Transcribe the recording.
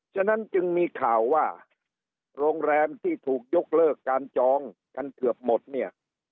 ฉะนั้นจึงมีข่าวว่าโรงแรมที่ถูกยกเลิกการจองกันเกือบหมดเนี่ย